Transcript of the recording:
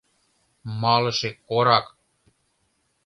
МАЛЫШЕ КОРАК